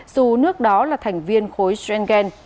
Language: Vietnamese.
dù nước đó là thành viên khối schengen